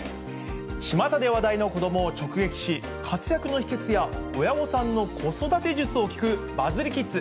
ちまたで話題の子どもを直撃し、活躍の秘けつや、親御さんの子育て術を聞くバズリキッズ。